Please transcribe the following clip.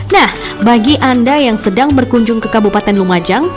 nah bagi anda yang sedang berkunjung ke kabupaten lumajang